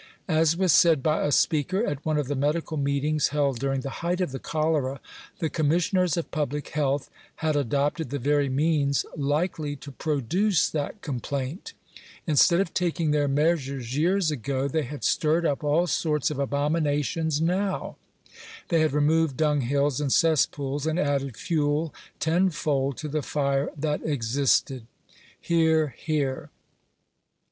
As was said by a speaker, at one of the medical meetings held during the height of the cholera, " the Commissioners of Public Health had adopted the very means likely to produce that complaint Instead of taking their measures years ago, they had stirred up all sorts of abominations Digitized by VjOOQIC SANITARY SUPERVISION. 389 now. They had removed dunghills and cesspools, and added fuel tenfold to the fire (hat existed. (Hear, hear.)